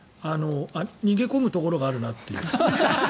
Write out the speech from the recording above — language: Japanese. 逃げ込むところがあるなという。